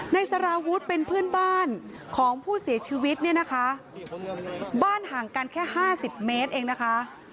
สารวุฒิเป็นเพื่อนบ้านของผู้เสียชีวิตเนี่ยนะคะบ้านห่างกันแค่ห้าสิบเมตรเองนะคะ